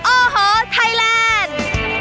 โอ้โหไทยแลนด์